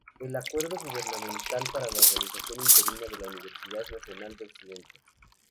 El Acuerdo gubernamental para la organización interina de la Universidad Nacional de Occidente.